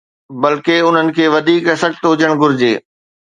بلڪه، انهن کي وڌيڪ سخت هجڻ گهرجي.